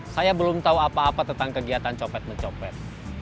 saya belum tahu apa apa tentang kegiatan copet mencopet